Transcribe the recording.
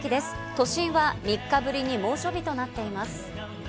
都心は３日ぶりに猛暑日となっています。